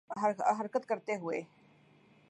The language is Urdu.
اور حرکت کرتے ہوئے